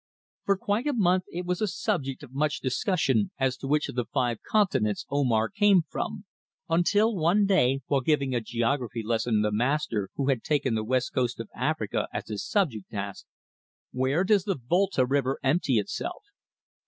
For quite a month it was a subject of much discussion as to which of the five continents Omar came from, until one day, while giving a geography lesson the master, who had taken the West Coast of Africa as his subject, asked: "Where does the Volta River empty itself?"